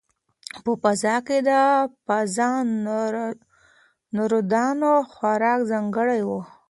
په فضا کې د فضانوردانو خوراک ځانګړی وي.